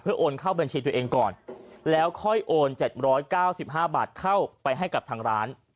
โอนเข้าบัญชีตัวเองก่อนแล้วค่อยโอน๗๙๕บาทเข้าไปให้กับทางร้าน